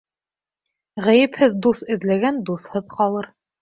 Ғәйепһеҙ дуҫ эҙләгән дуҫһыҙ ҡалыр.